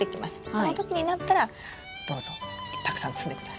その時になったらどうぞたくさん摘んでください。